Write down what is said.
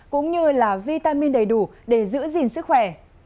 cũng như là vitamin đầy đủ để giữ gìn sức khỏe